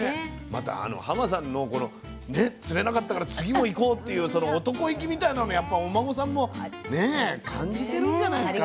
またあのさんのこのね釣れなかったから次も行こうっていうその男意気みたいなのやっぱお孫さんもね感じてるんじゃないですか。